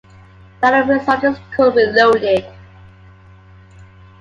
The alluring result is cool, reloaded.